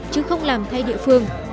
chứ không làm thay địa phương